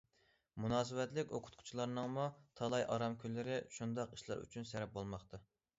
مۇناسىۋەتلىك ئوقۇتقۇچىلارنىڭمۇ تالاي ئارام كۈنلىرى شۇنداق ئىشلار ئۈچۈن سەرپ بولماقتا.